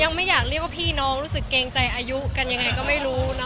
ยังไม่อยากเรียกว่าพี่น้องรู้สึกเกรงใจอายุกันยังไงก็ไม่รู้นะ